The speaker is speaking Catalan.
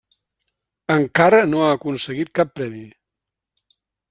Encara no ha aconseguit cap premi.